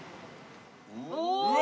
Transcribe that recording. うわ！